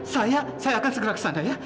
saya akan segera ke sana ya